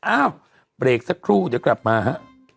อ้าวเบรกสักครู่เดี๋ยวกลับมาฮะ